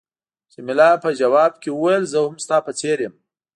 جميله په ځواب کې وویل، زه هم ستا په څېر یم.